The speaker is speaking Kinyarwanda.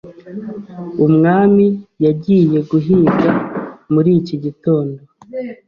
Umwami yagiye guhiga muri iki gitondo.